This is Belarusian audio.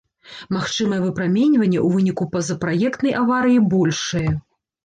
Магчымае выпраменьванне ў выніку пазапраектнай аварыі большае.